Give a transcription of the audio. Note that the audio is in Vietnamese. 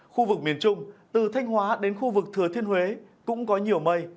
khu vực miền trung từ thanh hóa đến khu vực thừa thiên huế cũng có nhiều mây